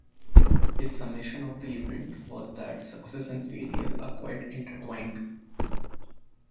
His summation of the event was that success and failure are quite intertwined.